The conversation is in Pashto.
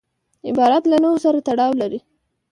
عبارت له نحو سره تړاو لري.